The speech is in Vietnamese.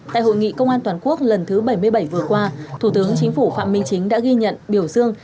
tại hội nghị công an toàn quốc lần thứ bảy mươi bảy vừa qua thủ tướng chính phủ phạm minh chính đã ghi nhận biểu dương